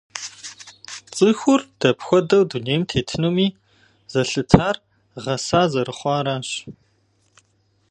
ЦӀыхур дапхуэдэу дунейм тетынуми зэлъытар гъэса зэрыхъуаращ.